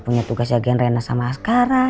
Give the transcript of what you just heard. punya tugas jagain rena sama asqara